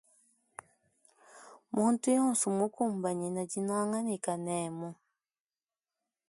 Muntu yonsu mmukumbanyina dinanga ne kanemu.